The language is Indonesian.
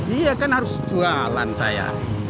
iya kan harus jualan saya